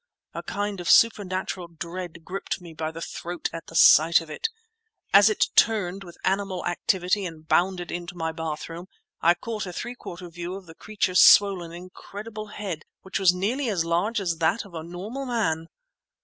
A kind of supernatural dread gripped me by the throat at sight of it. As it turned with animal activity and bounded into my bathroom, I caught a three quarter view of the creature's swollen, incredible head—which was nearly as large as that of a normal man!